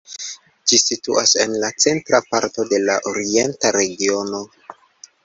Ĝi situas en la centra parto de la Orienta Regiono.